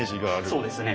そうですね。